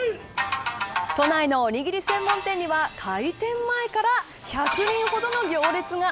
都内のおにぎり専門店には開店前から１００人ほどの行列が。